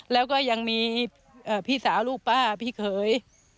แล้วก็ยังมีพี่สาวลูกป้าพี่เขย